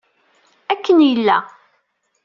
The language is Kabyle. Akken yella.